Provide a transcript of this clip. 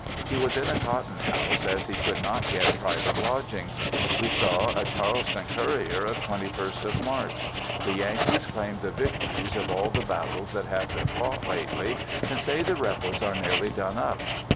He was in a cotton house as he could not get private lodgings. We saw a Charleston Courier of 21st of March. The Yankees claim the victories of all the battles that have been fought lately, and say the Rebels are nearly done up!